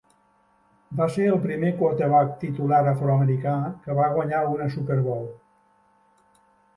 Va ser el primer quarterback titular afroamericà que va guanyar una Superbowl.